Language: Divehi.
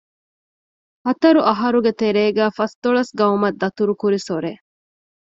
ހަތަރު އަަހަރުގެ ތެރޭގައި ފަސްދޮޅަސް ގައުމަށް ދަތުރު ކުރި ސޮރެއް